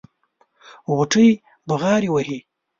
غوټۍ بغاري وهلې.